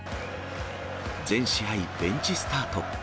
全試合ベンチスタート。